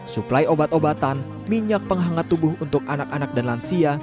suplai obat obatan minyak penghangat tubuh untuk anak anak dan lansia